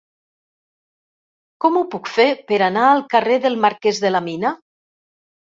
Com ho puc fer per anar al carrer del Marquès de la Mina?